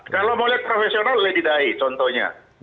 kalau mau lihat profesional lady dai contohnya